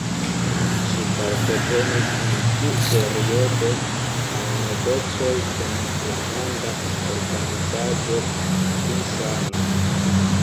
Ŝi partoprenis en tiu periodo al negocoj kun la Monda Organizaĵo pri Sano.